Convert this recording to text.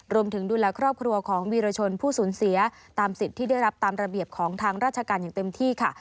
ดูแลครอบครัวของวีรชนผู้สูญเสียตามสิทธิ์ที่ได้รับตามระเบียบของทางราชการอย่างเต็มที่ค่ะ